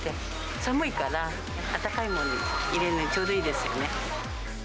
寒いから、やっぱり温かいものに入れるのにちょうどいいですよね。